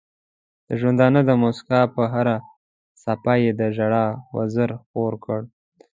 د ژوندانه د مسکا پر هره څپه یې د ژړا وزر خپور کړ.